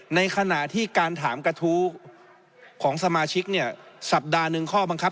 ในขณะที่การถามกระทู้ของสมาชิกเนี่ยสัปดาห์หนึ่งข้อบังคับ